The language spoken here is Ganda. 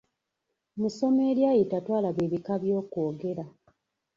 Mu ssomo eryayita twalaba ebika by’okwogera.